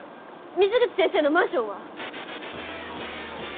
水口先生のマンションは？